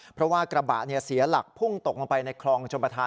เพราะว่ากระบะเสียหลักพุ่งตกลงไปในคลองชมประธาน